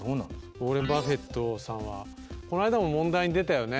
ウォーレン・バフェットさんはこの間も問題に出たよね？